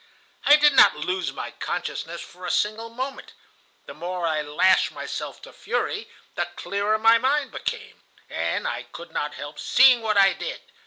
"I did not lose my consciousness for a single moment. The more I lashed myself to fury, the clearer my mind became, and I could not help seeing what I did.